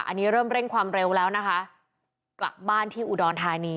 อันนี้เริ่มเร่งความเร็วแล้วนะคะกลับบ้านที่อุดรธานี